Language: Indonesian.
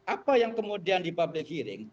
apa yang kemudian di public hearing